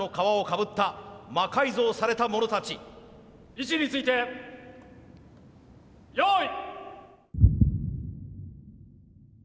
位置について用意。